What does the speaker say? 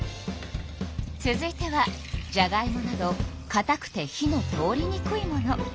続いてはじゃがいもなどかたくて火の通りにくいもの。